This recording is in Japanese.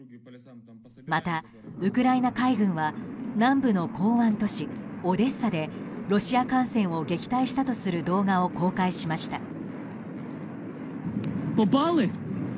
また、ウクライナ海軍は南部の港湾都市オデッサでロシア艦船を撃退したとする動画を公開しました。